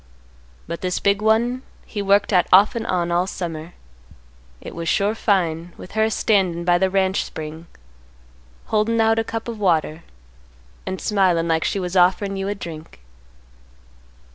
But this big one he worked at off and on all summer. It was sure fine, with her a standin' by the ranch spring, holdin' out a cup of water, and smilin' like she was offerin' you a drink."